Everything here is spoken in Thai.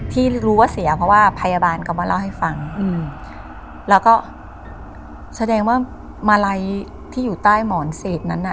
ที่รู้ว่าเสียเพราะว่าพยาบาลเขามาเล่าให้ฟังอืมแล้วก็แสดงว่ามาลัยที่อยู่ใต้หมอนเศษนั้นน่ะ